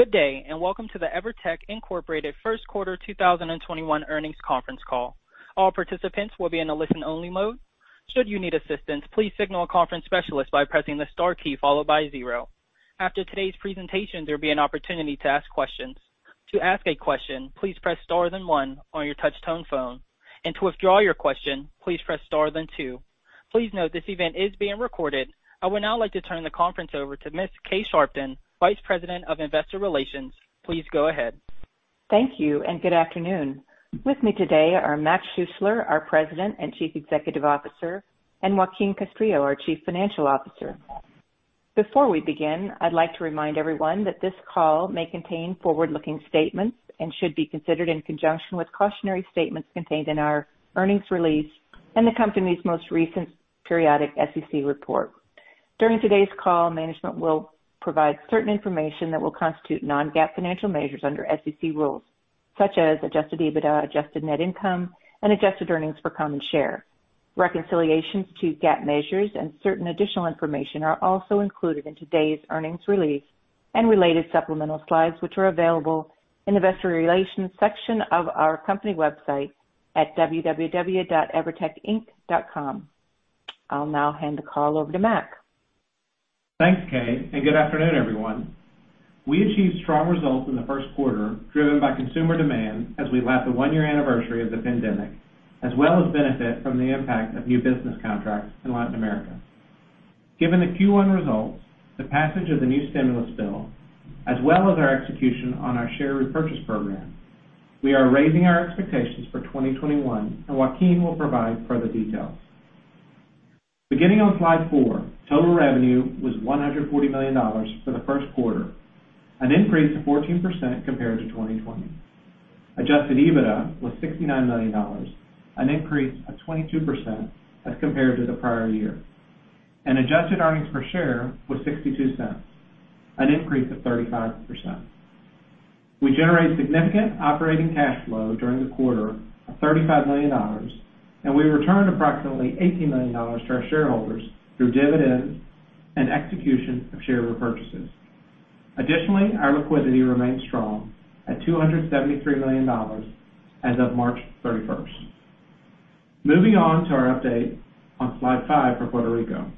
Good day. Welcome to the Evertec, Inc. First Quarter 2021 Earnings Conference Call. All participants will be in a listen-only mode. After today's presentation, there will be an opportunity to ask questions. Please note this event is being recorded. I would now like to turn the conference over to Ms. Kay Sharpton, Vice President of Investor Relations. Please go ahead. Thank you, and good afternoon. With me today are Mac Schuessler, our President and Chief Executive Officer, and Joaquín Castrillo, our Chief Financial Officer. Before we begin, I'd like to remind everyone that this call may contain forward-looking statements and should be considered in conjunction with cautionary statements contained in our earnings release in the company's most recent periodic SEC report. During today's call, management will provide certain information that will constitute non-GAAP financial measures under SEC rules, such as adjusted EBITDA, adjusted net income, and adjusted earnings per common share. Reconciliations to GAAP measures and certain additional information are also included in today's earnings release and related supplemental slides, which are available in the investor relations section of our company website at www.evertecinc.com. I'll now hand the call over to Mac. Thanks, Kay. Good afternoon, everyone. We achieved strong results in the first quarter driven by consumer demand as we lap the one-year anniversary of the pandemic, as well as benefit from the impact of new business contracts in Latin America. Given the Q1 results, the passage of the new stimulus bill, as well as our execution on our share repurchase program, we are raising our expectations for 2021, and Joaquín will provide further details. Beginning on slide four, total revenue was $140 million for the first quarter, an increase of 14% compared to 2020. Adjusted EBITDA was $69 million, an increase of 22% as compared to the prior year. Adjusted earnings per share was $0.62, an increase of 35%. We generated significant operating cash flow during the quarter of $35 million, and we returned approximately $18 million to our shareholders through dividends and execution of share repurchases. Additionally, our liquidity remains strong at $273 million as of March 31st. Moving on to our update on slide five for Puerto Rico.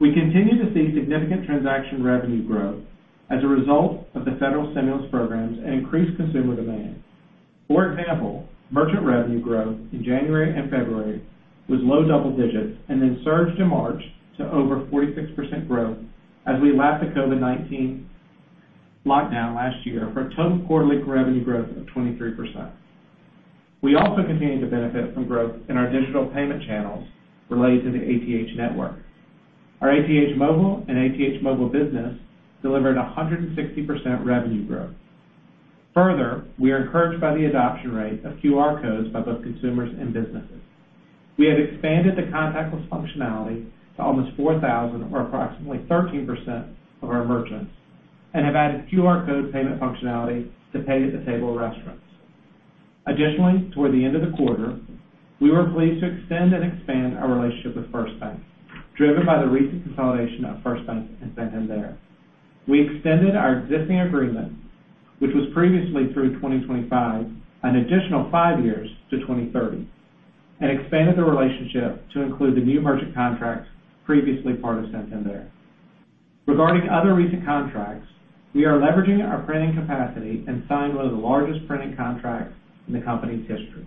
We continue to see significant transaction revenue growth as a result of the federal stimulus programs and increased consumer demand. For example, merchant revenue growth in January and February was low double digits and then surged in March to over 46% growth as we lapped the COVID-19 lockdown last year for a total quarterly revenue growth of 23%. We also continue to benefit from growth in our digital payment channels related to the ATH network. Our ATH Móvil and ATH Móvil Business delivered 160% revenue growth. Further, we are encouraged by the adoption rate of QR codes by both consumers and businesses. We have expanded the contactless functionality to almost 4,000 or approximately 13% of our merchants and have added QR code payment functionality to pay-at-the-table restaurants. Additionally, toward the end of the quarter, we were pleased to extend and expand our relationship with FirstBank, driven by the recent consolidation of FirstBank and Santander. We extended our existing agreement, which was previously through 2025, an additional five years to 2030 and expanded the relationship to include the new merchant contracts previously part of Santander. Regarding other recent contracts, we are leveraging our printing capacity and signed one of the largest printing contracts in the company's history.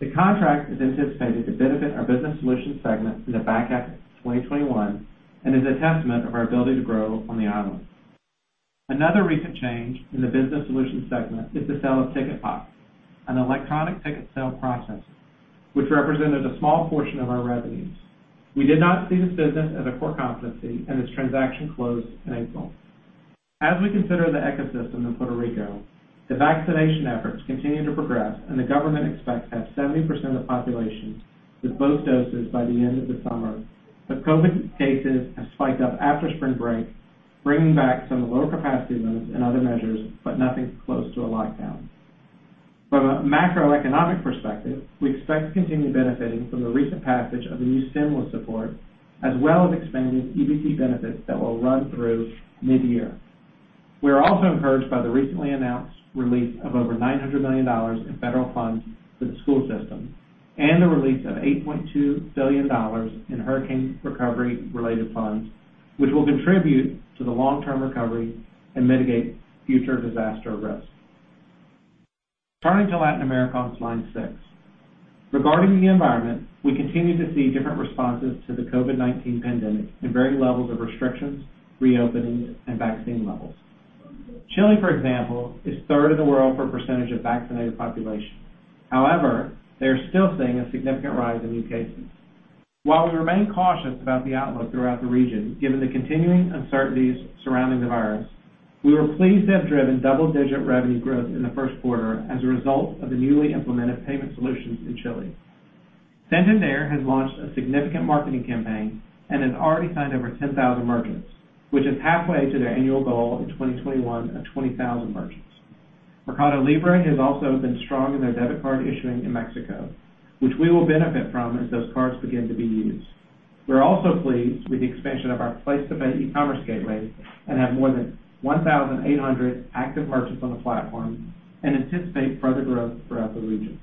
The contract is anticipated to benefit our Business Solutions segment in the back half of 2021 and is a testament of our ability to grow on the island. Another recent change in the Business Solutions segment is the sale of Ticketpop, an electronic ticket sale processor, which represented a small portion of our revenues. We did not see this business as a core competency, and this transaction closed in April. As we consider the ecosystem in Puerto Rico, the vaccination efforts continue to progress, and the government expects to have 70% of the population with both doses by the end of the summer. COVID cases have spiked up after spring break, bringing back some lower capacity limits and other measures, but nothing close to a lockdown. From a macroeconomic perspective, we expect to continue benefiting from the recent passage of the new stimulus support, as well as expanded EBT benefits that will run through mid-year. We are also encouraged by the recently announced release of over $900 million in federal funds to the school system and the release of $8.2 billion in hurricane recovery-related funds, which will contribute to the long-term recovery and mitigate future disaster risk. Turning to Latin America on slide six. Regarding the environment, we continue to see different responses to the COVID-19 pandemic and varying levels of restrictions, reopenings, and vaccine levels. Chile, for example, is third in the world for percentage of vaccinated population. However, they are still seeing a significant rise in new cases. While we remain cautious about the outlook throughout the region, given the continuing uncertainties surrounding the virus, we were pleased to have driven double-digit revenue growth in the first quarter as a result of the newly implemented payment solutions in Chile. Santander has launched a significant marketing campaign and has already signed over 10,000 merchants, which is halfway to their annual goal in 2021 of 20,000 merchants. Mercado Libre has also been strong in their debit card issuing in Mexico, which we will benefit from as those cards begin to be used. We're also pleased with the expansion of our PlacetoPay e-commerce gateway and have more than 1,800 active merchants on the platform and anticipate further growth throughout the region.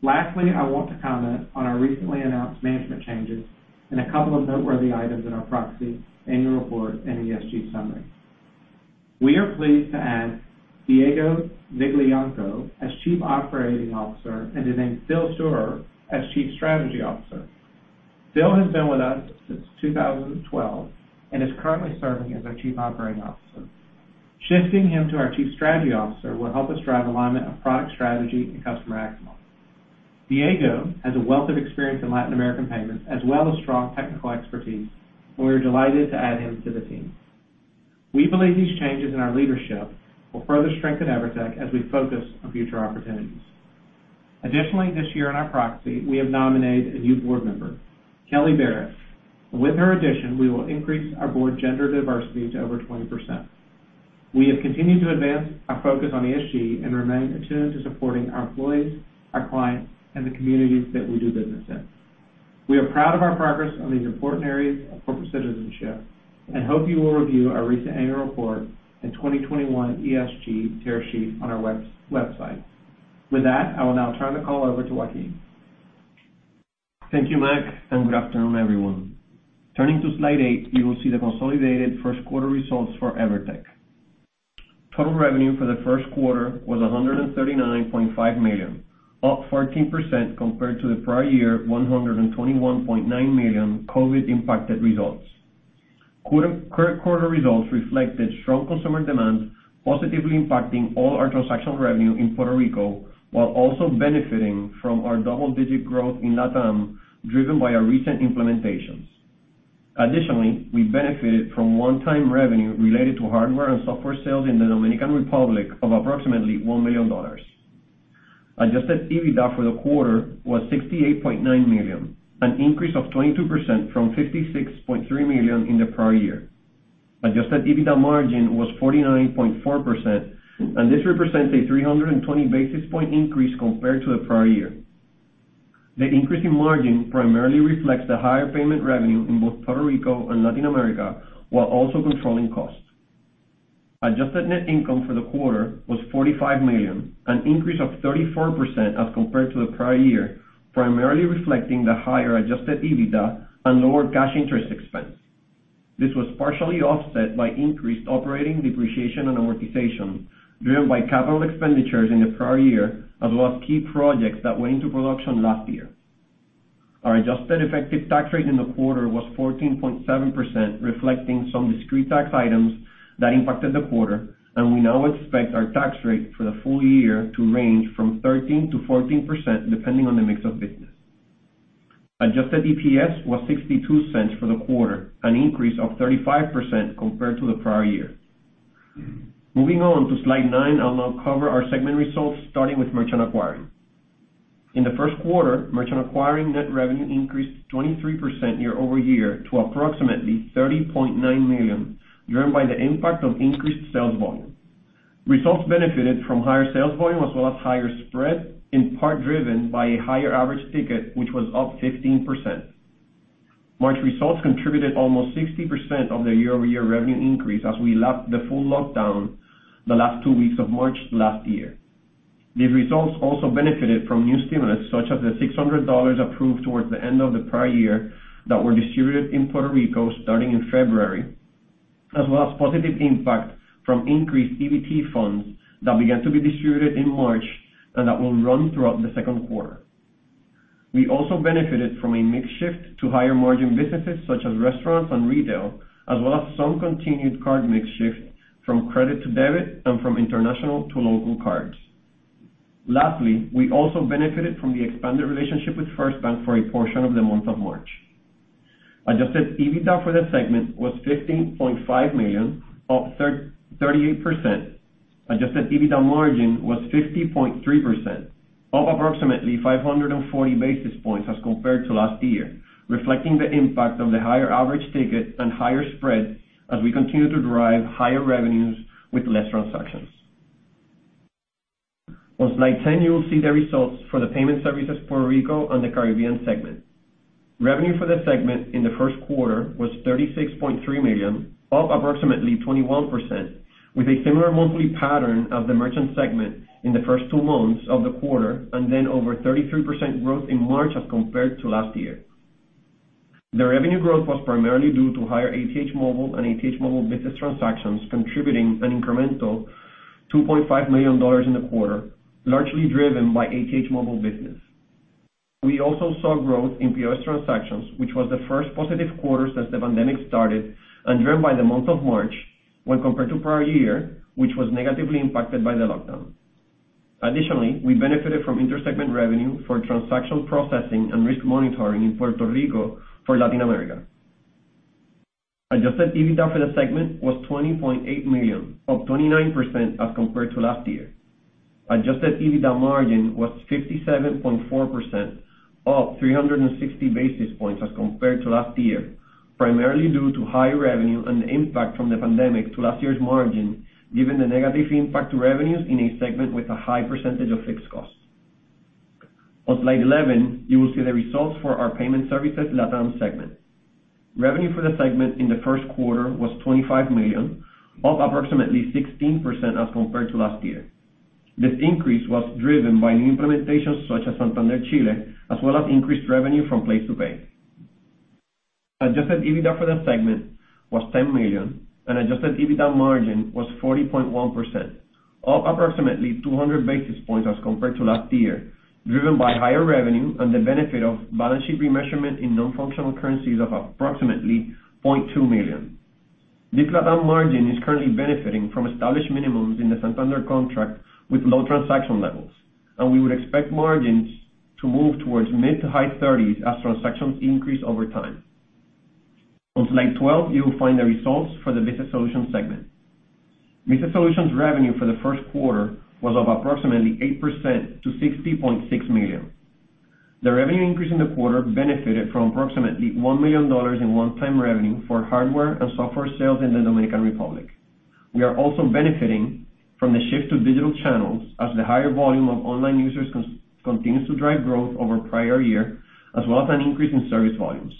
Lastly, I want to comment on our recently announced management changes and a couple of noteworthy items in our proxy annual report and ESG summary. We are pleased to add Diego Viglianco as Chief Operating Officer and to name Philip Steurer as Chief Strategy Officer. Phil has been with us since 2012 and is currently serving as our Chief Operating Officer. Shifting him to our Chief Strategy Officer will help us drive alignment of product strategy and customer outcomes. Diego has a wealth of experience in Latin American payments as well as strong technical expertise, and we are delighted to add him to the team. We believe these changes in our leadership will further strengthen Evertec as we focus on future opportunities. Additionally, this year in our proxy, we have nominated a new board member, Kelly Barrett, and with her addition, we will increase our board gender diversity to over 20%. We have continued to advance our focus on ESG and remain attuned to supporting our employees, our clients, and the communities that we do business in. We are proud of our progress on these important areas of corporate citizenship and hope you will review our recent annual report and 2021 ESG tear sheet on our website. With that, I will now turn the call over to Joaquín. Thank you, Mac, and good afternoon, everyone. Turning to slide eight, you will see the consolidated first quarter results for Evertec. Total revenue for the first quarter was $139.5 million, up 14% compared to the prior year, $121.9 million COVID impacted results. Current quarter results reflected strong consumer demand, positively impacting all our transactional revenue in Puerto Rico, while also benefiting from our double-digit growth in LatAm, driven by our recent implementations. Additionally, we benefited from one-time revenue related to hardware and software sales in the Dominican Republic of approximately $1 million. Adjusted EBITDA for the quarter was $68.9 million, an increase of 22% from $56.3 million in the prior year. Adjusted EBITDA margin was 49.4%, and this represents a 320 basis point increase compared to the prior year. The increase in margin primarily reflects the higher payment revenue in both Puerto Rico and Latin America, while also controlling costs. Adjusted net income for the quarter was $45 million, an increase of 34% as compared to the prior year, primarily reflecting the higher adjusted EBITDA and lower cash interest expense. This was partially offset by increased operating depreciation and amortization driven by capital expenditures in the prior year, as well as key projects that went into production last year. Our adjusted effective tax rate in the quarter was 14.7%, reflecting some discrete tax items that impacted the quarter, and we now expect our tax rate for the full year to range from 13%-14%, depending on the mix of business. Adjusted EPS was $0.62 for the quarter, an increase of 35% compared to the prior year. Moving on to slide nine, I'll now cover our segment results, starting with merchant acquiring. In the first quarter, merchant acquiring net revenue increased 23% year-over-year to approximately $30.9 million, driven by the impact of increased sales volume. Results benefited from higher sales volume as well as higher spread, in part driven by a higher average ticket, which was up 15%. March results contributed almost 60% of the year-over-year revenue increase as we lapped the full lockdown the last two weeks of March last year. These results also benefited from new stimulus, such as the $600 approved towards the end of the prior year that were distributed in Puerto Rico starting in February, as well as positive impact from increased EBT funds that began to be distributed in March and that will run throughout the second quarter. We also benefited from a mix shift to higher margin businesses such as restaurants and retail, as well as some continued card mix shift from credit to debit and from international to local cards. Lastly, we also benefited from the expanded relationship with FirstBank for a portion of the month of March. Adjusted EBITDA for the segment was $15.5 million, up 38%. Adjusted EBITDA margin was 50.3%, up approximately 540 basis points as compared to last year, reflecting the impact of the higher average ticket and higher spread as we continue to drive higher revenues with less transactions. On slide 10, you will see the results for the Payment Services Puerto Rico and the Caribbean segment. Revenue for the segment in the first quarter was $36.3 million, up approximately 21%, with a similar monthly pattern of the merchant segment in the first two months of the quarter, over 33% growth in March as compared to last year. The revenue growth was primarily due to higher ATH Móvil and ATH Móvil Business transactions, contributing an incremental $2.5 million in the quarter, largely driven by ATH Móvil Business. We also saw growth in POS transactions, which was the first positive quarter since the pandemic started and driven by the month of March when compared to prior year, which was negatively impacted by the lockdown. Additionally, we benefited from inter-segment revenue for transaction processing and risk monitoring in Puerto Rico for Latin America. Adjusted EBITDA for the segment was $20.8 million, up 29% as compared to last year. Adjusted EBITDA margin was 57.4%, up 360 basis points as compared to last year, primarily due to higher revenue and the impact from the pandemic to last year's margin, given the negative impact to revenues in a segment with a high percentage of fixed costs. On slide 11, you will see the results for our Payment Services LatAm segment. Revenue for the segment in the first quarter was $25 million, up approximately 16% as compared to last year. This increase was driven by new implementations, such as Santander Chile, as well as increased revenue from PlacetoPay. Adjusted EBITDA for that segment was $10 million and adjusted EBITDA margin was 40.1%, up approximately 200 basis points as compared to last year, driven by higher revenue and the benefit of balance sheet remeasurement in non-functional currencies of approximately $0.2 million. This LatAm margin is currently benefiting from established minimums in the Santander contract with low transaction levels, and we would expect margins to move towards mid- to high 30s as transactions increase over time. On slide 12, you will find the results for the Business Solutions segment. Visa Solutions revenue for the first quarter was up approximately 8% to $60.6 million. The revenue increase in the quarter benefited from approximately $1 million in one-time revenue for hardware and software sales in the Dominican Republic. We are also benefiting from the shift to digital channels as the higher volume of online users continues to drive growth over prior year, as well as an increase in service volumes.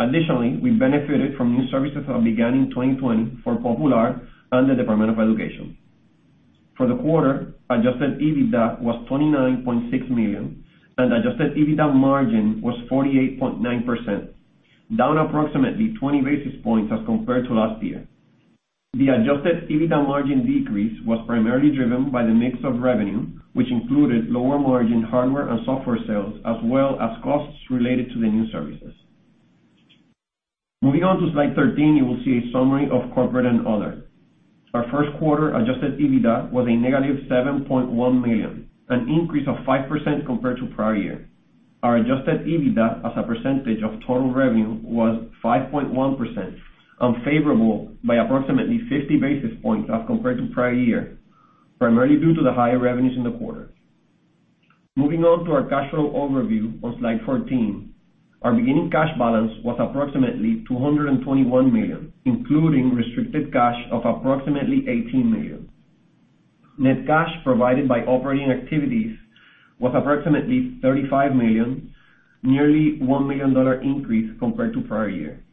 Additionally, we benefited from new services that began in 2020 for Popular and the Department of Education. For the quarter, adjusted EBITDA was $29.6 million, and adjusted EBITDA margin was 48.9%, down approximately 20 basis points as compared to last year. The adjusted EBITDA margin decrease was primarily driven by the mix of revenue, which included lower margin hardware and software sales, as well as costs related to the new services. Moving on to slide 13, you will see a summary of corporate and other. Our first quarter adjusted EBITDA was a -$7.1 million, an increase of 5% compared to prior year. Our adjusted EBITDA as a percentage of total revenue was 5.1%, unfavorable by approximately 50 basis points as compared to prior year, primarily due to the higher revenues in the quarter. Moving on to our cash flow overview on slide 14. Our beginning cash balance was approximately $221 million, including restricted cash of approximately $18 million. Net cash provided by operating activities was approximately $35 million, nearly a $1 million increase compared to prior year.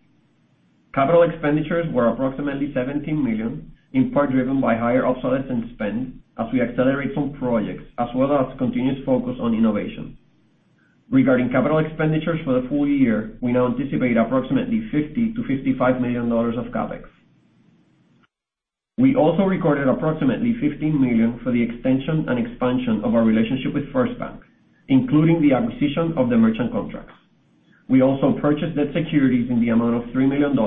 Capital expenditures were approximately $17 million, in part driven by higher obsolescence spend as we accelerate some projects, as well as continuous focus on innovation. Regarding capital expenditures for the full year, we now anticipate approximately $50 million-$55 million of CapEx. We also recorded approximately $15 million for the extension and expansion of our relationship with FirstBank, including the acquisition of the merchant contracts. We also purchased debt securities in the amount of $3 million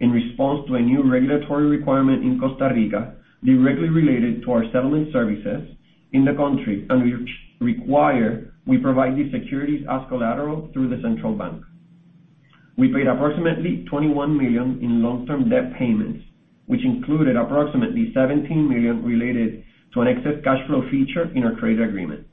in response to a new regulatory requirement in Costa Rica, directly related to our settlement services in the country, and which require we provide these securities as collateral through the central bank. We paid approximately $21 million in long-term debt payments, which included approximately $17 million related to an excess cash flow feature in our credit agreement.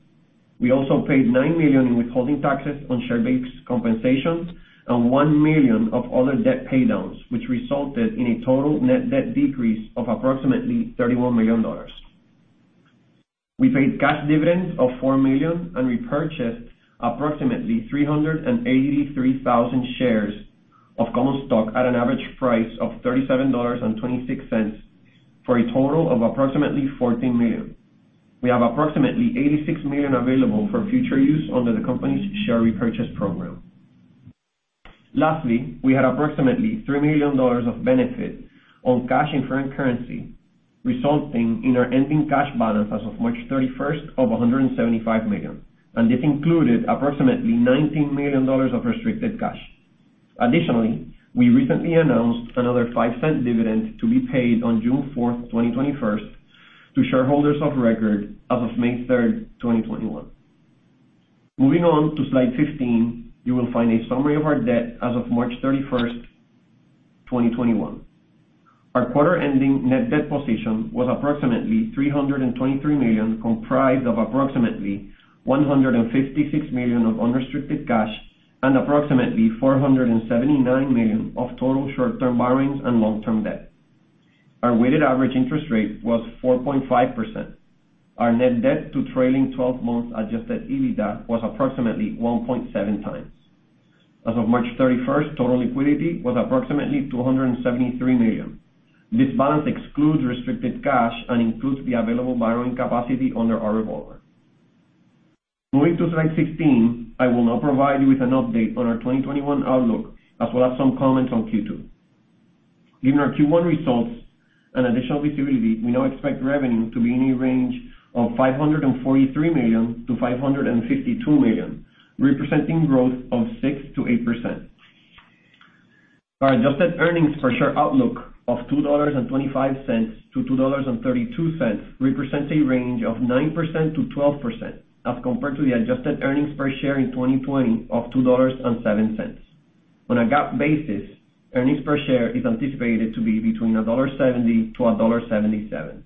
We also paid $9 million in withholding taxes on share-based compensations and $1 million of other debt paydowns, which resulted in a total net debt decrease of approximately $31 million. We paid cash dividends of $4 million and repurchased approximately 383,000 shares of common stock at an average price of $37.26, for a total of approximately $14 million. We have approximately $86 million available for future use under the company's share repurchase program. Lastly, we had approximately $3 million of benefit on cash in foreign currency, resulting in our ending cash balance as of March 31st of $175 million, and this included approximately $19 million of restricted cash. Additionally, we recently announced another $0.05 dividend to be paid on June 4th, 2021 to shareholders of record as of May 3rd, 2021. Moving on to slide 15, you will find a summary of our debt as of March 31st, 2021. Our quarter-ending net debt position was approximately $323 million, comprised of approximately $156 million of unrestricted cash and approximately $479 million of total short-term borrowings and long-term debt. Our weighted average interest rate was 4.5%. Our net debt to trailing 12 months adjusted EBITDA was approximately 1.7x. As of March 31st, total liquidity was approximately $273 million. This balance excludes restricted cash and includes the available borrowing capacity under our revolver. Moving to slide 16, I will now provide you with an update on our 2021 outlook as well as some comments on Q2. Given our Q1 results and additional visibility, we now expect revenue to be in a range of $543 million-$552 million, representing growth of 6%-8%. Our adjusted earnings per share outlook of $2.25-$2.32 represents a range of 9%-12% as compared to the adjusted earnings per share in 2020 of $2.07. On a GAAP basis, earnings per share is anticipated to be between $1.70-$1.77.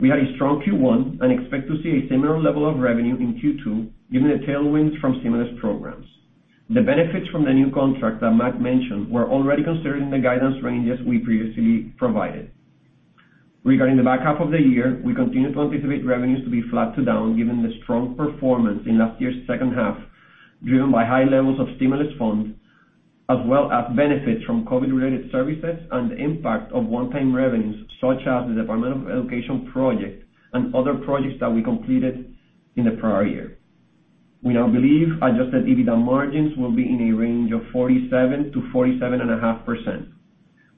We had a strong Q1 and expect to see a similar level of revenue in Q2, given the tailwinds from stimulus programs. The benefits from the new contract that Mac mentioned were already considered in the guidance ranges we previously provided. Regarding the back half of the year, we continue to anticipate revenues to be flat to down, given the strong performance in last year's second half, driven by high levels of stimulus funds, as well as benefits from COVID-related services and the impact of one-time revenues, such as the Department of Education project and other projects that we completed in the prior year. We now believe adjusted EBITDA margins will be in a range of 47%-47.5%.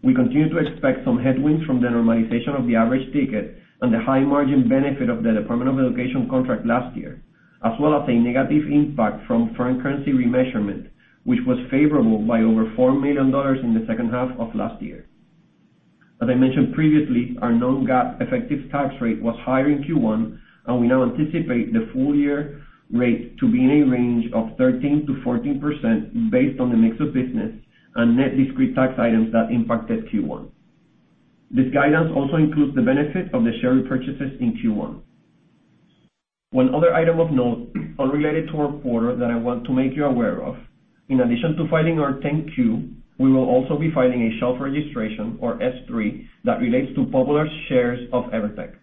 We continue to expect some headwinds from the normalization of the average ticket and the high margin benefit of the Department of Education contract last year, as well as a negative impact from foreign currency remeasurement, which was favorable by over $4 million in the second half of last year. As I mentioned previously, our non-GAAP effective tax rate was higher in Q1, and we now anticipate the full year rate to be in a range of 13%-14% based on the mix of business and net discrete tax items that impacted Q1. This guidance also includes the benefit of the share repurchases in Q1. One other item of note unrelated to our quarter that I want to make you aware of. In addition to filing our 10-Q, we will also be filing a shelf registration or S-3 that relates to Popular's shares of Evertec.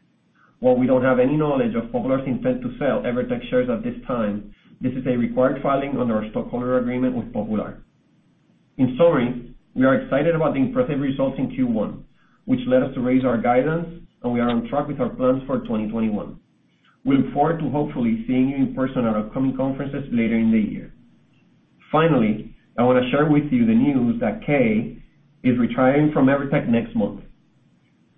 While we don't have any knowledge of Popular's intent to sell Evertec shares at this time, this is a required filing under our stockholder agreement with Popular. In summary, we are excited about the impressive results in Q1, which led us to raise our guidance, and we are on track with our plans for 2021. We look forward to hopefully seeing you in person at upcoming conferences later in the year. Finally, I want to share with you the news that Kay is retiring from Evertec next month.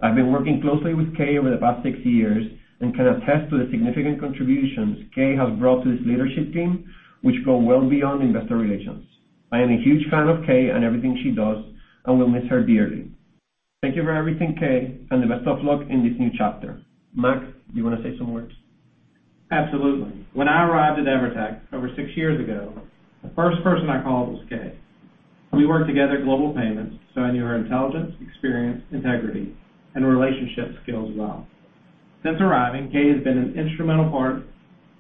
I've been working closely with Kay over the past six years and can attest to the significant contributions Kay has brought to this leadership team, which go well beyond investor relations. I am a huge fan of Kay and everything she does and will miss her dearly. Thank you for everything, Kay, and the best of luck in this new chapter. Mac, do you want to say some words? Absolutely. When I arrived at Evertec over six years ago, the first person I called was Kay. We worked together at Global Payments, so I knew her intelligence, experience, integrity, and relationship skills well. Since arriving, Kay has been an instrumental part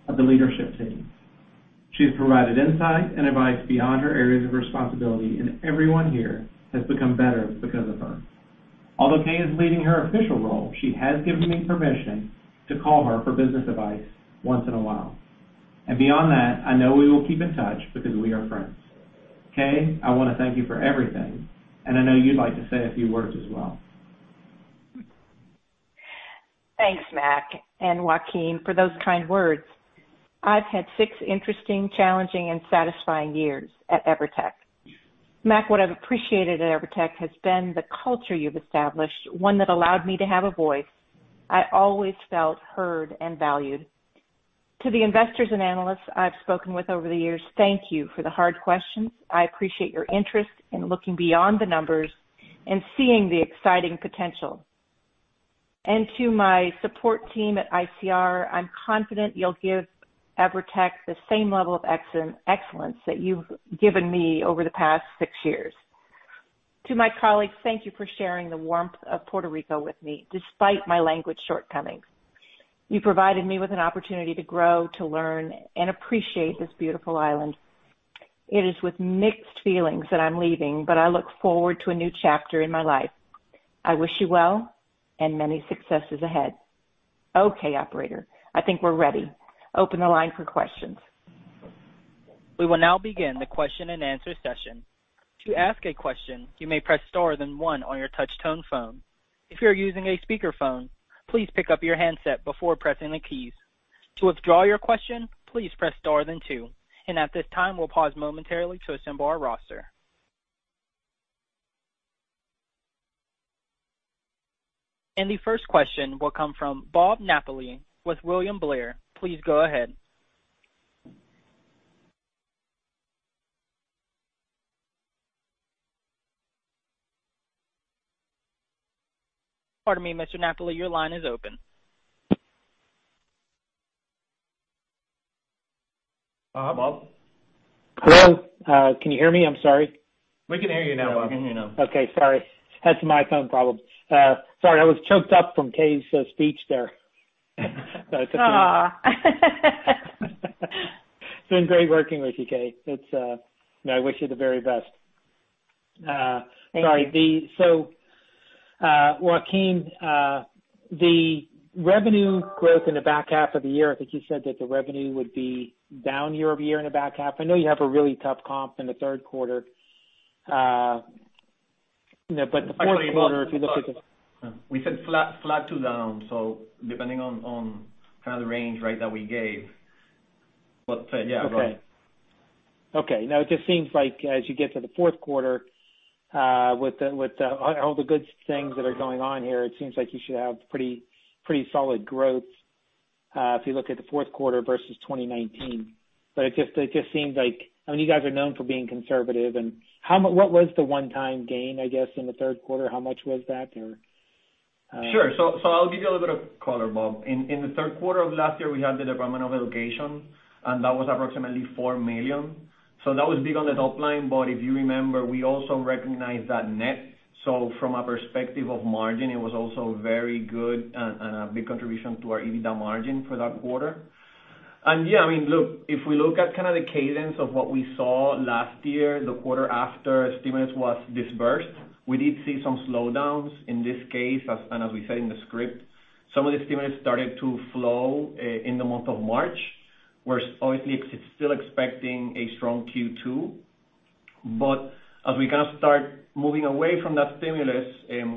of the leadership team. She has provided insight and advice beyond her areas of responsibility, and everyone here has become better because of her. Although Kay is leaving her official role, she has given me permission to call her for business advice once in a while. Beyond that, I know we will keep in touch because we are friends. Kay, I want to thank you for everything, and I know you'd like to say a few words as well. Thanks, Mac and Joaquín, for those kind words. I've had six interesting, challenging, and satisfying years at Evertec. Mac, what I've appreciated at Evertec has been the culture you've established, one that allowed me to have a voice. I always felt heard and valued. To the investors and analysts I've spoken with over the years, thank you for the hard questions. I appreciate your interest in looking beyond the numbers and seeing the exciting potential. To my support team at ICR, I'm confident you'll give Evertec the same level of excellence that you've given me over the past six years. To my colleagues, thank you for sharing the warmth of Puerto Rico with me, despite my language shortcomings. You provided me with an opportunity to grow, to learn, and appreciate this beautiful island. It is with mixed feelings that I'm leaving, but I look forward to a new chapter in my life. I wish you well and many successes ahead. Okay, operator, I think we're ready. Open the line for questions. We will now begin the question and answer session. If you ask a question you may press star and then one on your touchtone phone. If you're using a speaker phone, please pick up your handset before pressing the keys. To withdraw your question, please press star then two. At this time, we'll pause momentarily to assemble our roster. The first question will come from Bob Napoli with William Blair. Please go ahead. Pardon me, Mr. Napoli, your line is open. Bob? Bob? Hello. Can you hear me? I'm sorry. We can hear you now, Bob. Yeah, we can hear you now. Okay. Sorry. Had some iPhone problems. Sorry, I was choked up from Kay's speech there. Aw. It's been great working with you, Kay. I wish you the very best. Thank you. Sorry. Joaquín, the revenue growth in the back half of the year, I think you said that the revenue would be down year-over-year in the back half. I know you have a really tough comp in the third quarter. The fourth quarter. Actually, Bob- If you look at the- We said flat to down, depending on the range that we gave. Yeah, go ahead. Okay. No, it just seems like as you get to the fourth quarter with all the good things that are going on here, it seems like you should have pretty solid growth if you look at the fourth quarter versus 2019. It just seems like I mean, you guys are known for being conservative, and what was the one-time gain, I guess, in the third quarter? How much was that there? Sure. I'll give you a little bit of color, Bob. In the third quarter of last year, we had the Puerto Rico Department of Education, and that was approximately $4 million. That was big on the top line. If you remember, we also recognized that net. From a perspective of margin, it was also very good and a big contribution to our EBITDA margin for that quarter. Yeah, if we look at kind of the cadence of what we saw last year, the quarter after stimulus was disbursed, we did see some slowdowns. In this case, as we said in the script, some of the stimulus started to flow in the month of March, where obviously it's still expecting a strong Q2. As we kind of start moving away from that stimulus,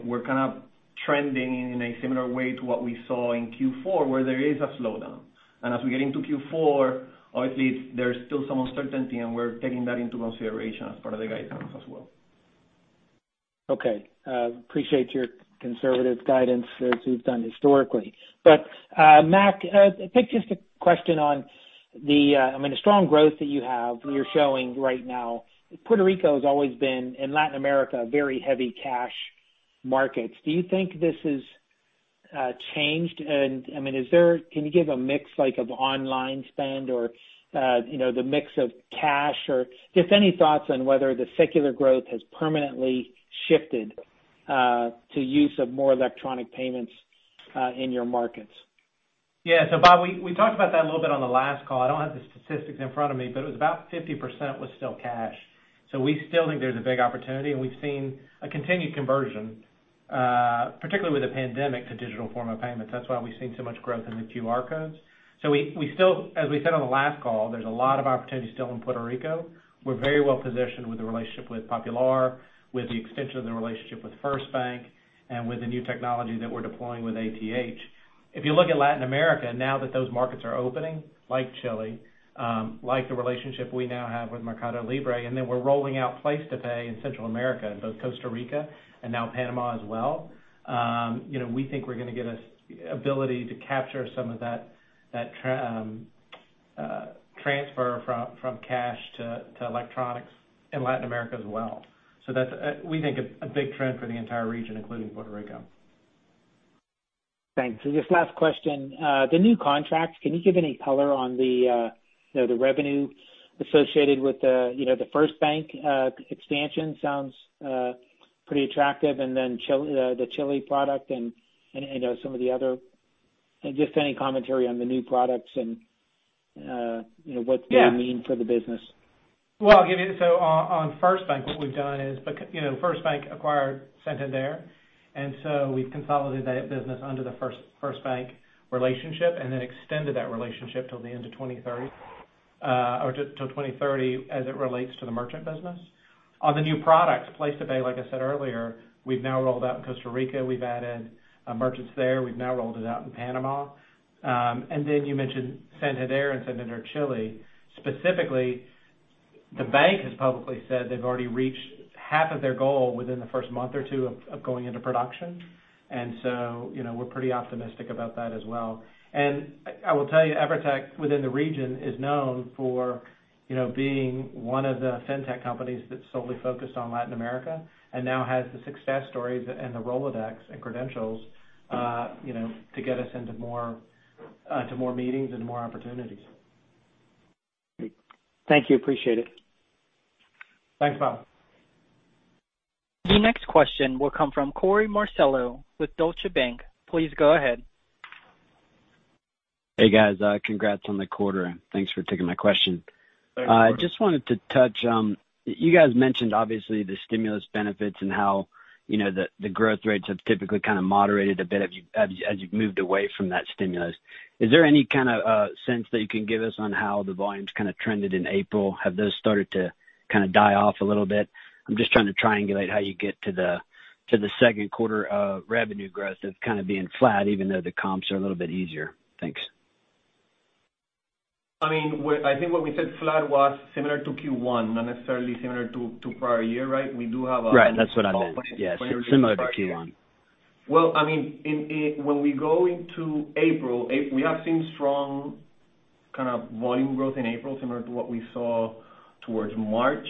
we're kind of trending in a similar way to what we saw in Q4, where there is a slowdown. As we get into Q4, obviously there's still some uncertainty, and we're taking that into consideration as part of the guidance as well. Okay. Appreciate your conservative guidance as you've done historically. Mac, I think just a question on the strong growth that you have, you're showing right now. Puerto Rico has always been, and Latin America, very heavy cash markets. Do you think this has changed? Can you give a mix like of online spend or the mix of cash? Just any thoughts on whether the secular growth has permanently shifted to use of more electronic payments in your markets. Bob, we talked about that a little bit on the last call. I don't have the statistics in front of me, but it was about 50% was still cash. We still think there's a big opportunity, and we've seen a continued conversion, particularly with the pandemic, to digital form of payments. That's why we've seen so much growth in the QR codes. As we said on the last call, there's a lot of opportunity still in Puerto Rico. We're very well positioned with the relationship with Popular, with the extension of the relationship with FirstBank, and with the new technology that we're deploying with ATH. If you look at Latin America, now that those markets are opening, like Chile, like the relationship we now have with Mercado Libre, and then we're rolling out PlacetoPay in Central America, in both Costa Rica and now Panama as well. We think we're going to get ability to capture some of that transfer from cash to electronics in Latin America as well. We think a big trend for the entire region, including Puerto Rico. Thanks. Just last question. The new contracts, can you give any color on the revenue associated with the FirstBank expansion? Sounds pretty attractive. The Chile product and some of the other. Just any commentary on the new products and what they mean for the business. I'll give you. On FirstBank, what we've done is, FirstBank acquired Santander Asset Management, and so we've consolidated that business under the FirstBank relationship and then extended that relationship till the end of 2030, or till 2030 as it relates to the merchant business. On the new products, PlacetoPay, like I said earlier, we've now rolled out in Costa Rica. We've added merchants there. We've now rolled it out in Panama. You mentioned Santander Asset Management and GetNet Chile. Specifically, the bank has publicly said they've already reached half of their goal within the first month or two of going into production. We're pretty optimistic about that as well. I will tell you, Evertec, within the region, is known for being one of the fintech companies that's solely focused on Latin America and now has the success stories and the Rolodex and credentials to get us into more meetings and more opportunities. Great. Thank you. Appreciate it. Thanks, Bob. The next question will come from Korey Marcello with Deutsche Bank. Please go ahead. Hey, guys. Congrats on the quarter, and thanks for taking my question. Thanks, Korey. I just wanted to touch, you guys mentioned obviously the stimulus benefits and how the growth rates have typically kind of moderated a bit as you've moved away from that stimulus. Is there any kind of sense that you can give us on how the volumes kind of trended in April? Have those started to kind of die off a little bit? I'm just trying to triangulate how you get to the second quarter revenue growth as kind of being flat even though the comps are a little bit easier. Thanks. I think when we said flat was similar to Q1, not necessarily similar to prior year, right? Right. That's what I meant. Yeah. Similar to Q1. Well, when we go into April, we have seen strong kind of volume growth in April, similar to what we saw towards March.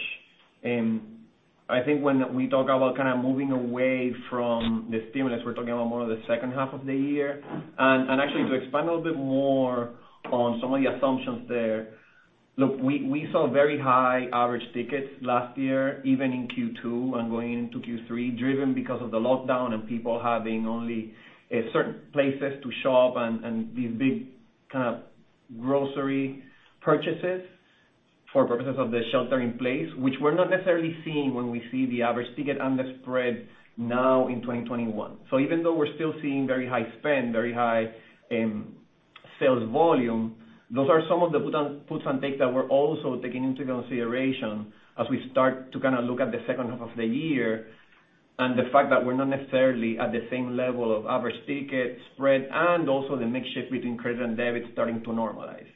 I think when we talk about kind of moving away from the stimulus, we're talking about more of the second half of the year. Actually, to expand a little bit more on some of the assumptions there. Look, we saw very high average tickets last year, even in Q2 and going into Q3, driven because of the lockdown and people having only certain places to shop and these big kind of grocery purchases for purposes of the shelter in place, which we're not necessarily seeing when we see the average ticket and the spread now in 2021. Even though we're still seeing very high spend, very high sales volume, those are some of the puts and takes that we're also taking into consideration as we start to kind of look at the second half of the year, and the fact that we're not necessarily at the same level of average ticket spread and also the mix shift between credits and debits starting to normalize.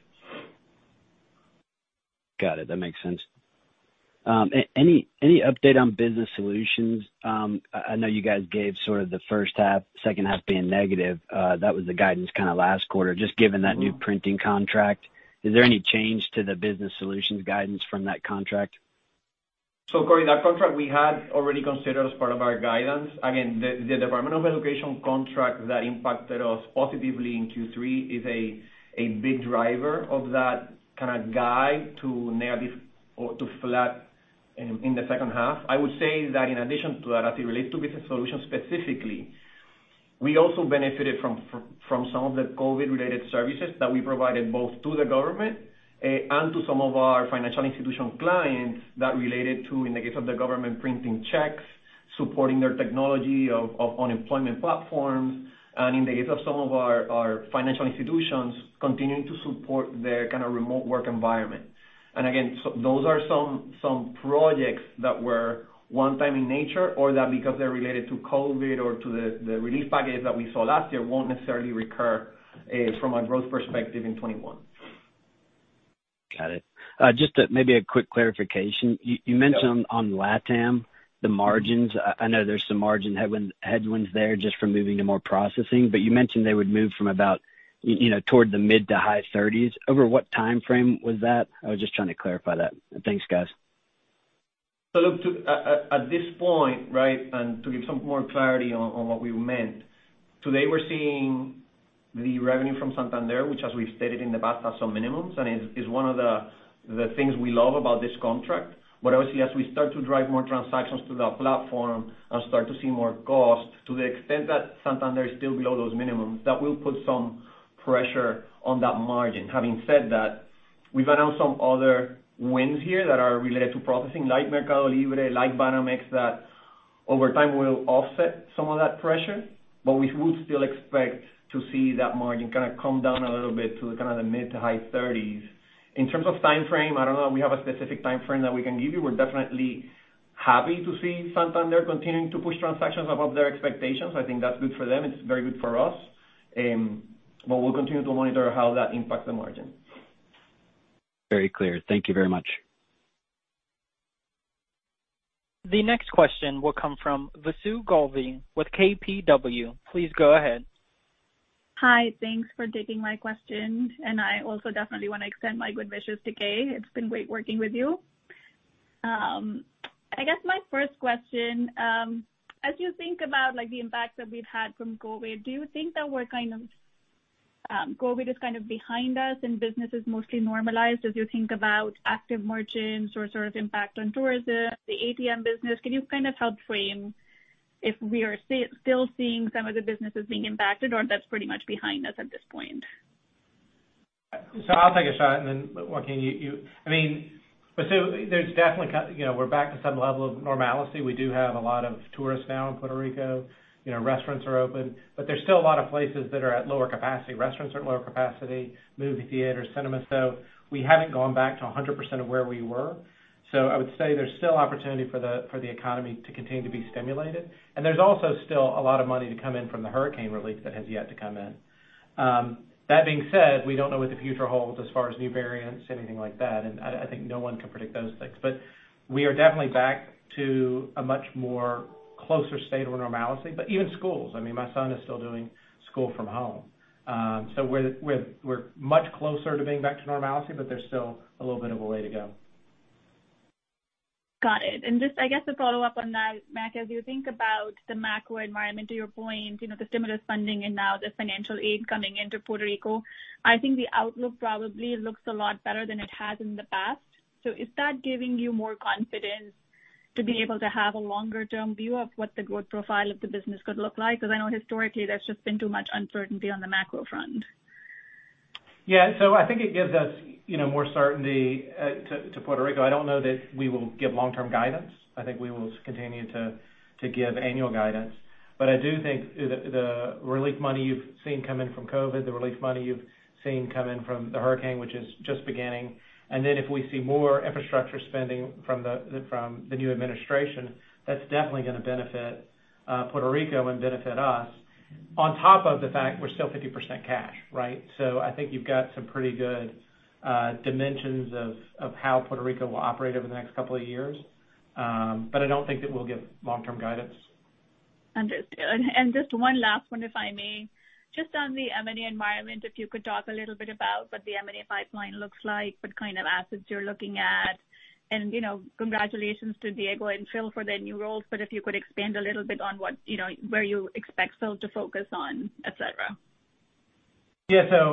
Got it. That makes sense. Any update on Business Solutions? I know you guys gave sort of the first half, second half being negative. That was the guidance kind of last quarter. Just given that new printing contract, is there any change to the Business Solutions guidance from that contract? Korey, that contract we had already considered as part of our guidance. Again, the Department of Education contract that impacted us positively in Q3 is a big driver of that kind of guide to negative or to flat in the second half. I would say that in addition to that, as it relates to Business Solutions specifically, we also benefited from some of the COVID-related services that we provided both to the government and to some of our financial institution clients that related to, in the case of the government, printing checks, supporting their technology of unemployment platforms, and in the case of some of our financial institutions, continuing to support their kind of remote work environment. Again, those are some projects that were one time in nature or that because they're related to COVID or to the relief package that we saw last year, won't necessarily recur from a growth perspective in 2021. Got it. Just maybe a quick clarification. You mentioned on LatAm, the margins. I know there's some margin headwinds there just from moving to more processing, but you mentioned they would move from about toward the mid to high thirties. Over what timeframe was that? I was just trying to clarify that. Thanks, guys. Look, at this point, right, and to give some more clarity on what we meant. Today we're seeing the revenue from Santander, which as we've stated in the past, has some minimums, and is one of the things we love about this contract. Obviously, as we start to drive more transactions to the platform and start to see more cost to the extent that Santander is still below those minimums, that will put some pressure on that margin. Having said that, we've announced some other wins here that are related to processing, like Mercado Libre, like Banamex, that over time will offset some of that pressure. We would still expect to see that margin kind of come down a little bit to kind of the mid to high 30s. In terms of timeframe, I don't know if we have a specific timeframe that we can give you. We're definitely happy to see Santander continuing to push transactions above their expectations. I think that's good for them. It's very good for us. We'll continue to monitor how that impacts the margin. Very clear. Thank you very much. The next question will come from Vasu Govil with KBW. Please go ahead. Hi. Thanks for taking my question. I also definitely want to extend my good wishes to Kay. It's been great working with you. I guess my first question, as you think about the impact that we've had from COVID, do you think that COVID is kind of behind us and business is mostly normalized as you think about active margins or sort of impact on tourism, the ATM business? Can you kind of help frame if we are still seeing some of the businesses being impacted or that's pretty much behind us at this point? I'll take a shot and then Joaquín, I mean, Vasu, we're back to some level of normalcy. We do have a lot of tourists now in Puerto Rico. Restaurants are open. There's still a lot of places that are at lower capacity. Restaurants are at lower capacity, movie theaters, cinemas. We haven't gone back to 100% of where we were. I would say there's still opportunity for the economy to continue to be stimulated. There's also still a lot of money to come in from the hurricane relief that has yet to come in. That being said, we don't know what the future holds as far as new variants, anything like that, and I think no one can predict those things. We are definitely back to a much more closer state of normalcy. Even schools, I mean, my son is still doing school from home. We're much closer to being back to normalcy, but there's still a little bit of a way to go. Got it. Just, I guess a follow-up on that, Mac, as you think about the macro environment to your point, the stimulus funding and now the financial aid coming into Puerto Rico, I think the outlook probably looks a lot better than it has in the past. Is that giving you more confidence to be able to have a longer-term view of what the growth profile of the business could look like? Because I know historically there's just been too much uncertainty on the macro front. Yeah. I think it gives us more certainty to Puerto Rico. I don't know that we will give long-term guidance. I think we will continue to give annual guidance. I do think the relief money you've seen come in from COVID, the relief money you've seen come in from the hurricane, which is just beginning, and then if we see more infrastructure spending from the new administration, that's definitely going to benefit Puerto Rico and benefit us. On top of the fact we're still 50% cash, right? I think you've got some pretty good dimensions of how Puerto Rico will operate over the next couple of years. I don't think that we'll give long-term guidance. Understood. Just one last one, if I may. Just on the M&A environment, if you could talk a little bit about what the M&A pipeline looks like, what kind of assets you're looking at, and congratulations to Diego and Phil for their new roles, but if you could expand a little bit on where you expect Phil to focus on, et cetera.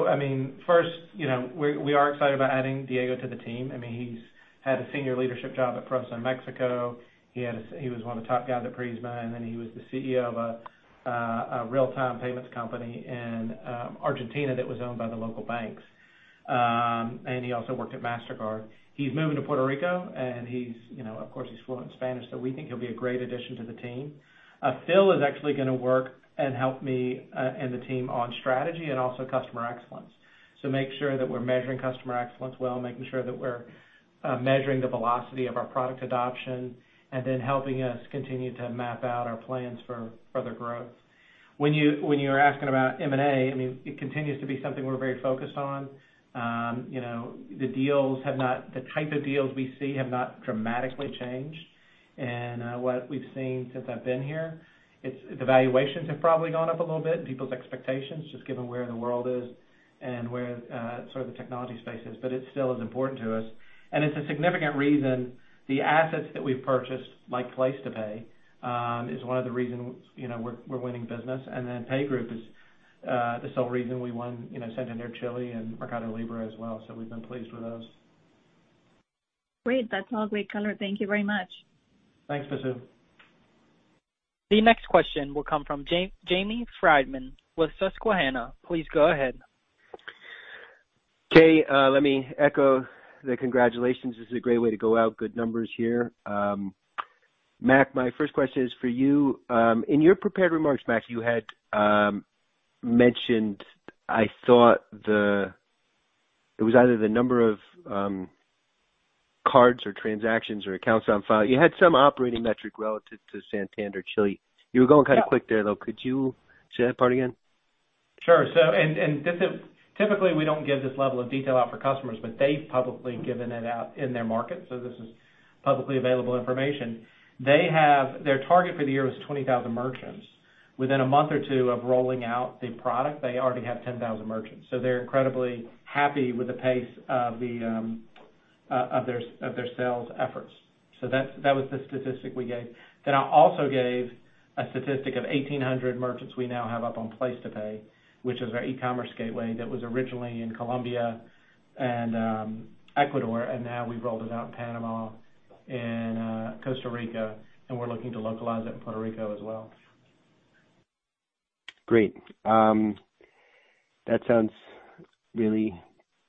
I mean, first, we are excited about adding Diego Viglianco to the team. I mean, he's had a senior leadership job at Prosa Mexico. He was one of the top guys at Prisma, then he was the CEO of a real-time payments company in Argentina that was owned by the local banks. He also worked at Mastercard. He's moving to Puerto Rico. Of course, he's fluent in Spanish, so we think he'll be a great addition to the team. Philip Steurer is actually going to work and help me and the team on strategy and also customer excellence. Make sure that we're measuring customer excellence well, making sure that we're measuring the velocity of our product adoption, then helping us continue to map out our plans for further growth. When you were asking about M&A, I mean, it continues to be something we're very focused on. The type of deals we see have not dramatically changed. What we've seen since I've been here, the valuations have probably gone up a little bit, and people's expectations, just given where the world is and where the technology space is, but it still is important to us. It's a significant reason the assets that we've purchased, like PlacetoPay, is one of the reasons we're winning business. PayGroup is the sole reason we won Santander Chile and Mercado Libre as well, so we've been pleased with those. Great. That's all great color. Thank you very much. Thanks, Vasu. The next question will come from Jamie Friedman with Susquehanna. Please go ahead. Okay. Let me echo the congratulations. This is a great way to go out. Good numbers here. Mac, my first question is for you. In your prepared remarks, Mac, you had mentioned, I thought it was either the number of cards or transactions or accounts on file. You had some operating metric relative to Santander Chile. You were going kind of quick there, though. Could you say that part again? Sure. Typically, we don't give this level of detail out for customers, but they've publicly given it out in their market, so this is publicly available information. Their target for the year was 20,000 merchants. Within a month or two of rolling out the product, they already have 10,000 merchants. They're incredibly happy with the pace of their sales efforts. That was the statistic we gave. I also gave a statistic of 1,800 merchants we now have up on PlacetoPay, which is our e-commerce gateway that was originally in Colombia and Ecuador, and now we've rolled it out in Panama and Costa Rica, and we're looking to localize it in Puerto Rico as well. Great. That sounds really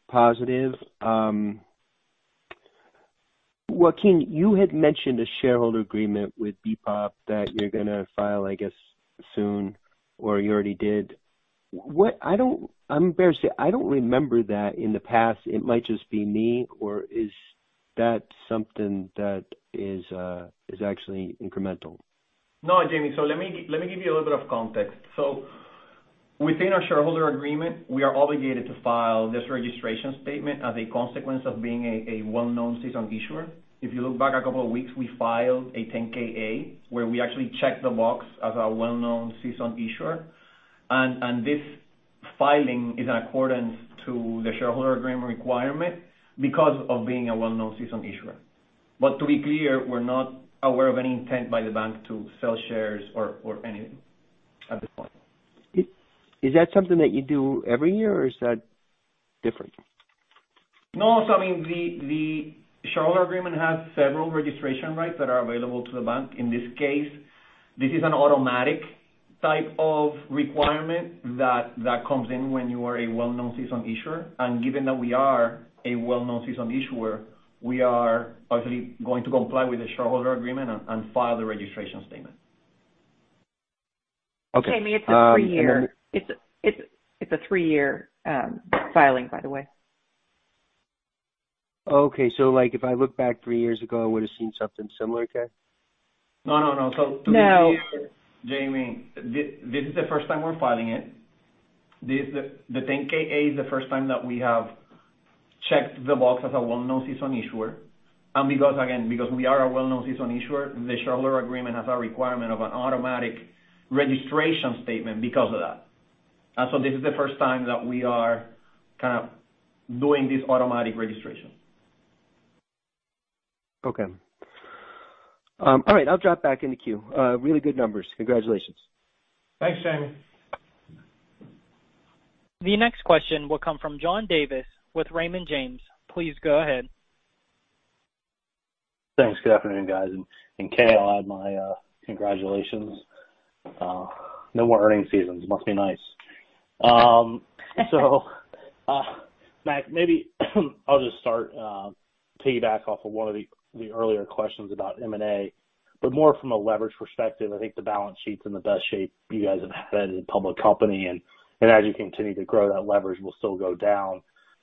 positive. Joaquín, you had mentioned a shareholder agreement with BPOP that you're going to file, I guess, soon, or you already did. I'm embarrassed to say, I don't remember that in the past. It might just be me, or is that something that is actually incremental? No, Jamie. Let me give you a little bit of context. Within our shareholder agreement, we are obligated to file this registration statement as a consequence of being a well-known seasoned issuer. If you look back a couple of weeks, we filed a 10-K/A where we actually checked the box as a well-known seasoned issuer. This filing is in accordance to the shareholder agreement requirement because of being a well-known seasoned issuer. To be clear, we're not aware of any intent by the bank to sell shares or anything at this point. Is that something that you do every year, or is that different? No. I mean, the shareholder agreement has several registration rights that are available to the bank. In this case, this is an automatic type of requirement that comes in when you are a well-known seasoned issuer. Given that we are a well-known seasoned issuer, we are obviously going to comply with the shareholder agreement and file the registration statement. Okay. Jamie, it's a three-year filing, by the way. Okay. If I look back three years ago, I would've seen something similar to that? No, no. No Jamie, this is the first time we're filing it. The 10-K/A is the first time that we have checked the box as a well-known seasoned issuer. Because, again, we are a well-known seasoned issuer, the shareholder agreement has a requirement of an automatic registration statement because of that. This is the first time that we are kind of doing this automatic registration. Okay. All right. I'll drop back into queue. Really good numbers. Congratulations. Thanks, Jamie. The next question will come from John Davis with Raymond James. Please go ahead. Thanks. Good afternoon, guys. Kay, I'll add my congratulations. No more earnings seasons, must be nice. Mac, maybe I'll just start, piggyback off of one of the earlier questions about M&A, but more from a leverage perspective. I think the balance sheet's in the best shape you guys have had as a public company and as you continue to grow, that leverage will still go down.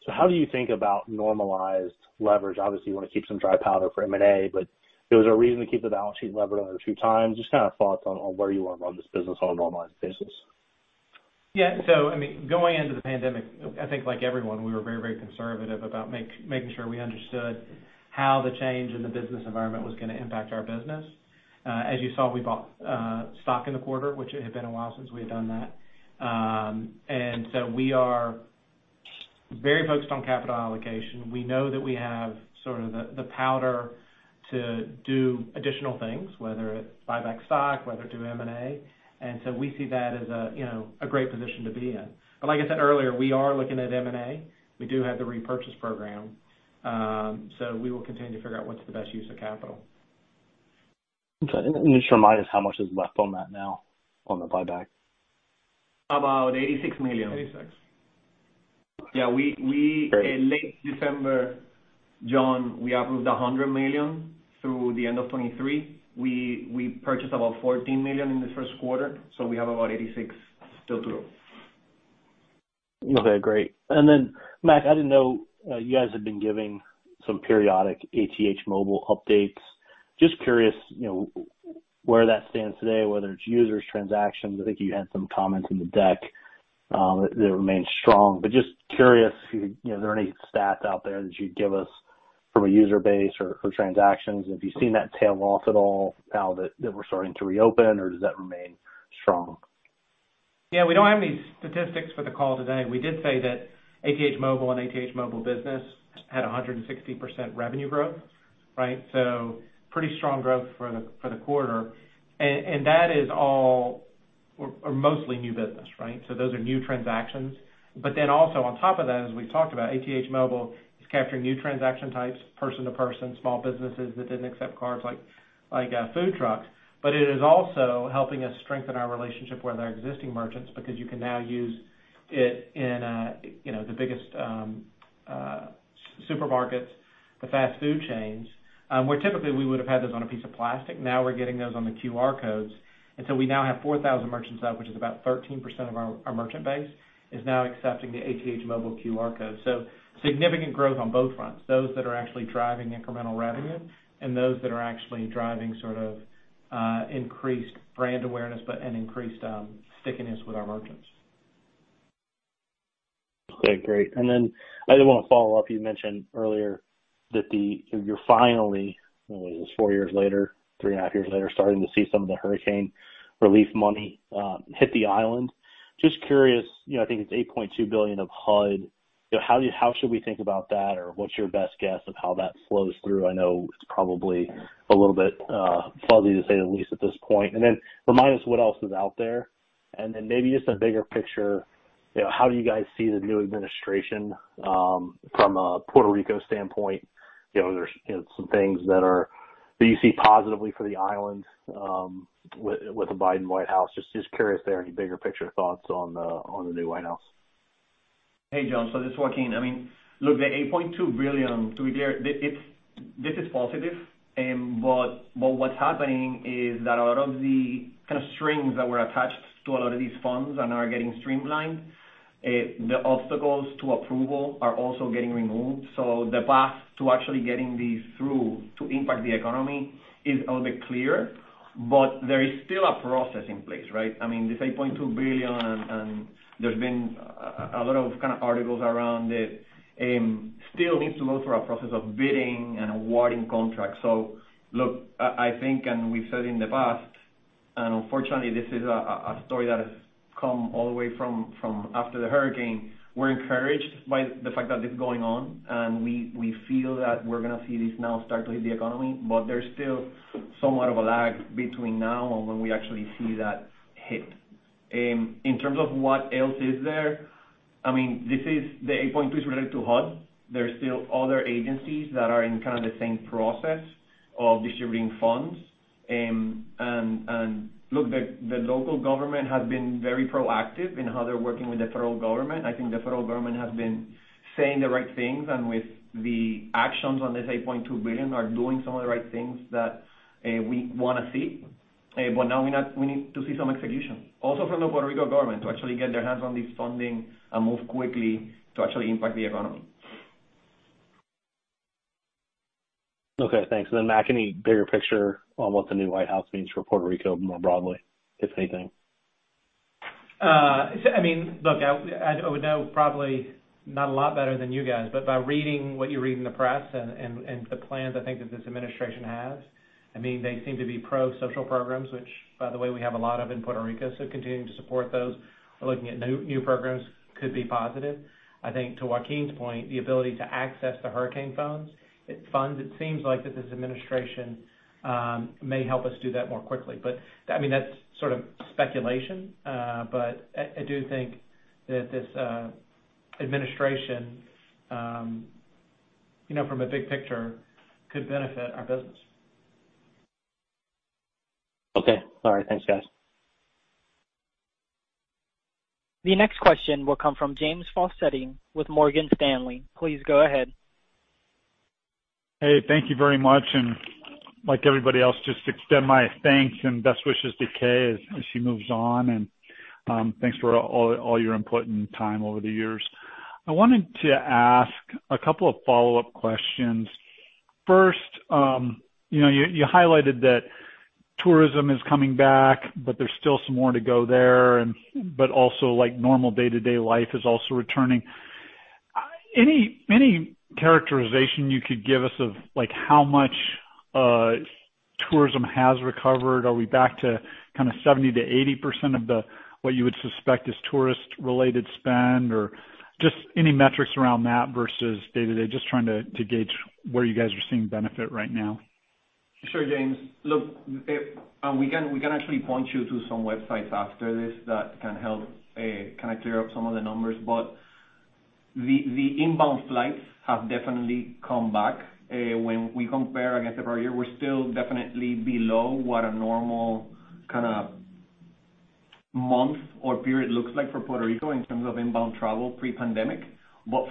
How do you think about normalized leverage? Obviously, you want to keep some dry powder for M&A, but if there was a reason to keep the balance sheet levered another 2x, just thoughts on where you want to run this business on a normalized basis. Going into the pandemic, I think like everyone, we were very, very conservative about making sure we understood how the change in the business environment was going to impact our business. As you saw, we bought stock in the quarter, which it had been a while since we had done that. We are very focused on capital allocation. We know that we have sort of the powder to do additional things, whether it's buy back stock, whether through M&A. We see that as a great position to be in. Like I said earlier, we are looking at M&A. We do have the repurchase program. We will continue to figure out what's the best use of capital. Okay. Just remind us how much is left on that now, on the buyback? About $86 million. 86. In late December, John, we approved $100 million through the end of 2023. We purchased about $14 million in the first quarter, so we have about $86 still to go. Okay, great. Mac, I didn't know you guys had been giving some periodic ATH Móvil updates. Just curious where that stands today, whether it's users, transactions. I think you had some comments in the deck that remains strong. Just curious, are there any stats out there that you'd give us from a user base or transactions? Have you seen that tail off at all now that we're starting to reopen, or does that remain strong? Yeah. We don't have any statistics for the call today. We did say that ATH Móvil and ATH Móvil Business had 160% revenue growth, right? Pretty strong growth for the quarter. That is all or mostly new business, right? Those are new transactions. Also on top of that, as we've talked about, ATH Móvil is capturing new transaction types, person to person, small businesses that didn't accept cards like food trucks. It is also helping us strengthen our relationship with our existing merchants, because you can now use it in the biggest supermarkets, the fast food chains, where typically we would have had those on a piece of plastic. Now we're getting those on the QR codes. We now have 4,000 merchants up, which is about 13% of our merchant base is now accepting the ATH Móvil QR code. Significant growth on both fronts. Those that are actually driving incremental revenue and those that are actually driving sort of increased brand awareness but an increased stickiness with our merchants. Okay, great. I did want to follow up. You mentioned earlier that you're finally, what is this, four years later, three and a half years later, starting to see some of the hurricane relief money hit the island. Curious, I think it's $8.2 billion of HUD. How should we think about that? Or what's your best guess of how that flows through? I know it's probably a little bit fuzzy to say the least at this point. Remind us what else is out there, maybe just a bigger picture. How do you guys see the new administration from a Puerto Rico standpoint? There are some things that you see positively for the island with the Biden White House. Curious there, any bigger picture thoughts on the new White House. Hey, John. This is Joaquín. I mean, look, the $8.2 billion, to be clear, this is positive. What's happening is that a lot of the kind of strings that were attached to a lot of these funds and are getting streamlined, the obstacles to approval are also getting removed. The path to actually getting these through to impact the economy is a little bit clearer. There is still a process in place, right? I mean, this $8.2 billion, and there's been a lot of kind of articles around it, still needs to go through a process of bidding and awarding contracts. Look, I think, and we've said in the past, and unfortunately this is a story that has come all the way from after the hurricane. We're encouraged by the fact that it's going on and we feel that we're going to see this now start to hit the economy. There's still somewhat of a lag between now and when we actually see that hit. In terms of what else is there, I mean, the $8.2 billion is related to HUD. There are still other agencies that are in kind of the same process of distributing funds. Look, the local government has been very proactive in how they're working with the federal government. I think the federal government has been saying the right things and with the actions on this $8.2 billion are doing some of the right things that we want to see. Now we need to see some execution also from the Puerto Rico government to actually get their hands on this funding and move quickly to actually impact the economy. Okay, thanks. Mac, any bigger picture on what the new White House means for Puerto Rico more broadly, if anything? I mean, look, I would know probably not a lot better than you guys, but by reading what you read in the press and the plans I think that this administration has. I mean, they seem to be pro social programs, which, by the way, we have a lot of in Puerto Rico. Continuing to support those or looking at new programs could be positive. I think to Joaquín's point, the ability to access the hurricane funds, it seems like that this administration may help us do that more quickly. I mean, that's sort of speculation. I do think that this administration from a big picture could benefit our business. Okay. All right. Thanks, guys. The next question will come from James Faucette with Morgan Stanley. Please go ahead. Hey, thank you very much. Like everybody else, just extend my thanks and best wishes to Kay as she moves on. Thanks for all your input and time over the years. I wanted to ask a couple of follow-up questions. First, you highlighted that tourism is coming back, but there's still some more to go there, but also normal day-to-day life is also returning. Any characterization you could give us of how much tourism has recovered? Are we back to kind of 70%-80% of what you would suspect is tourist-related spend or just any metrics around that versus day-to-day? Just trying to gauge where you guys are seeing benefit right now. Sure, James. Look, we can actually point you to some websites after this that can help kind of clear up some of the numbers. The inbound flights have definitely come back. When we compare against the prior year, we are still definitely below what a normal kind of month or period looks like for Puerto Rico in terms of inbound travel pre-pandemic.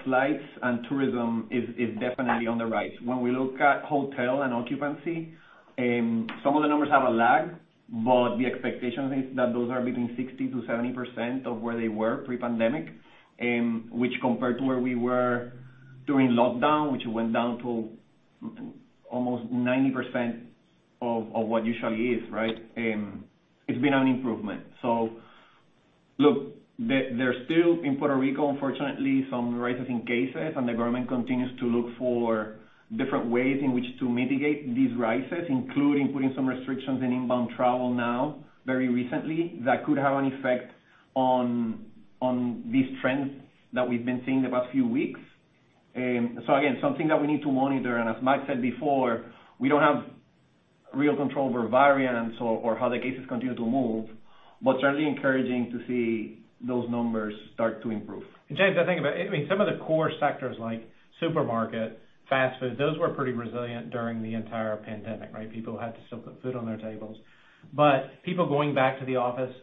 Flights and tourism is definitely on the rise. When we look at hotel and occupancy, some of the numbers have a lag, but the expectation is that those are between 60%-70% of where they were pre-pandemic, which compared to where we were during lockdown, which went down to almost 90% of what usually is, right? It's been an improvement. Look, there's still, in Puerto Rico, unfortunately, some rises in cases, and the government continues to look for different ways in which to mitigate these rises, including putting some restrictions on inbound travel now very recently, that could have an effect on these trends that we've been seeing the past few weeks. Again, something that we need to monitor, and as Mac said before, we don't have real control over variants or how the cases continue to move. Certainly encouraging to see those numbers start to improve. James, I think about, some of the core sectors like supermarket, fast food, those were pretty resilient during the entire pandemic, right? People had to still put food on their tables. People going back to the office,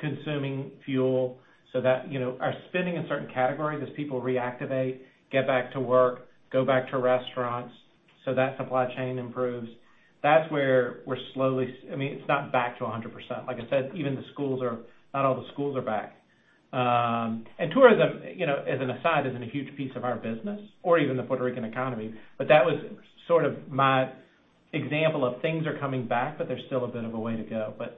consuming fuel, so that our spending in certain categories as people reactivate, get back to work, go back to restaurants, so that supply chain improves. That's where we're slowly. It's not back to 100%. Like I said, not all the schools are back. Tourism, as an aside, isn't a huge piece of our business or even the Puerto Rican economy. That was sort of my example of things are coming back, but there's still a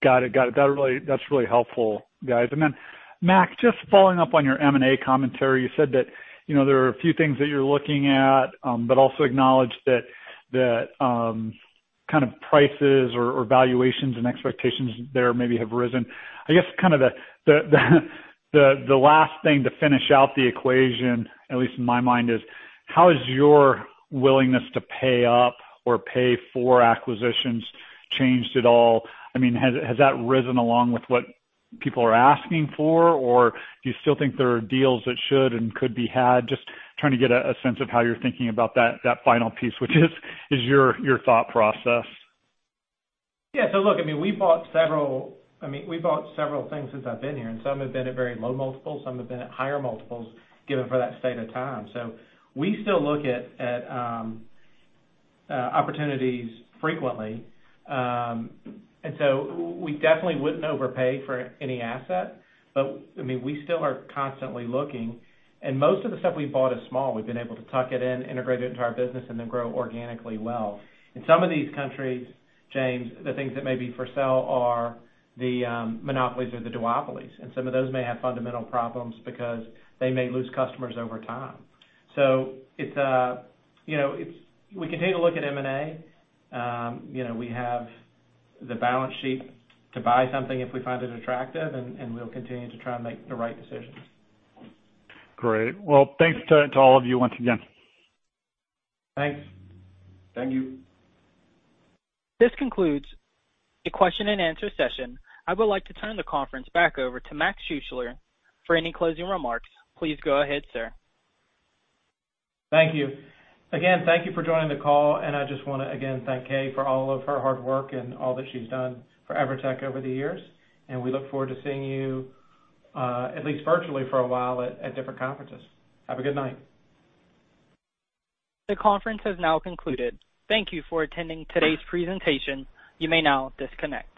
bit of a way to go. Got it. That's really helpful, guys. Mac, just following up on your M&A commentary, you said that there are a few things that you're looking at, but also acknowledge that kind of prices or valuations and expectations there maybe have risen. I guess kind of the last thing to finish out the equation, at least in my mind, is how has your willingness to pay up or pay for acquisitions changed at all? Has that risen along with what people are asking for? Do you still think there are deals that should and could be had? Just trying to get a sense of how you're thinking about that final piece, which is your thought process. Yeah. Look, we've bought several things since I've been here. Some have been at very low multiples, some have been at higher multiples given for that state of time. We still look at opportunities frequently. We definitely wouldn't overpay for any asset, but we still are constantly looking, and most of the stuff we've bought is small. We've been able to tuck it in, integrate it into our business, and then grow organically well. In some of these countries, James, the things that may be for sale are the monopolies or the duopolies, and some of those may have fundamental problems because they may lose customers over time. We continue to look at M&A. We have the balance sheet to buy something if we find it attractive, and we'll continue to try and make the right decisions. Great. Well, thanks to all of you once again. Thanks. Thank you. This concludes the question and answer session. I would like to turn the conference back over to Mac Schuessler for any closing remarks. Please go ahead, sir. Thank you. Again, thank you for joining the call, and I just want to, again, thank Kay for all of her hard work and all that she's done for Evertec over the years. We look forward to seeing you, at least virtually for a while, at different conferences. Have a good night. The conference has now concluded. Thank you for attending today's presentation. You may now disconnect.